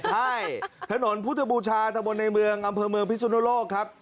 ใช่ถนนพุทธบูชาตะบนในเมืองอำเภอเมืองพิสุนโลกครับ